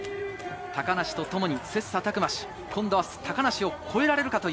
高梨とともに切磋琢磨し、今度は高梨を超えられるか？